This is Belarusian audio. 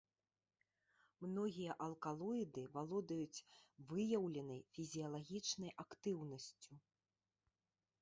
Многія алкалоіды валодаюць выяўленай фізіялагічнай актыўнасцю.